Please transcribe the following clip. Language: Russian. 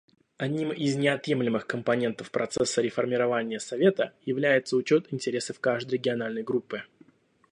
Одним из неотъемлемых компонентов процесса реформирования Совета является учет интересов каждой региональной группы.